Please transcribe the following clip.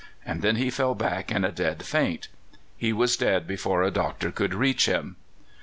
and then he fell back in a dead faint. He was dead before a doctor could reach him."